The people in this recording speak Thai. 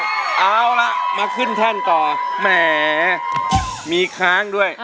มีขลางเอาล่อมาขึ้นแท่นต่อแหมมีขลางด้วย